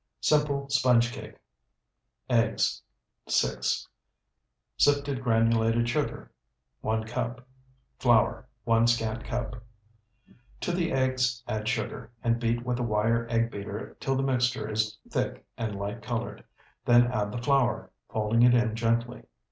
SIMPLE SPONGE CAKE Eggs, 6. Sifted granulated sugar, 1 cup. Flour, 1 scant cup. To the eggs add sugar, and beat with a wire egg beater till the mixture is thick and light colored. Then add the flour, folding it in gently.